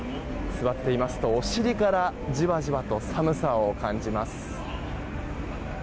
座っていますとお尻からじわじわと寒さを感じます。